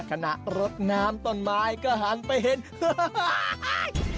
ขณะรดน้ำต้นไม้ก็หันไปเห็นเฮ้ย